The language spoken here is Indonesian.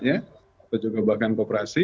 atau juga bahkan koperasi